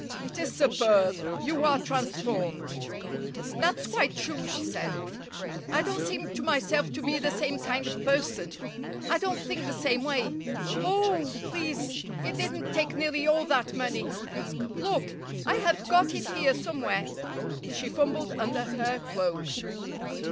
"It is superb. You are transformed." "That's quite true," she said. "I don't seem to myself to be the same kind of person. I don't think the same way. Oh! please, it didn't take nearly all that money. Look, I have got it here somewhere." She fumbled under her cloak.